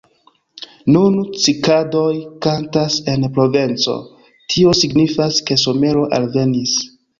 Nun cikadoj kantas en Provenco; tio signifas, ke somero alvenis.